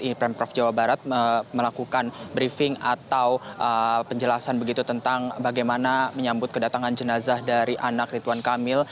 ini pemprov jawa barat melakukan briefing atau penjelasan begitu tentang bagaimana menyambut kedatangan jenazah dari anak ridwan kamil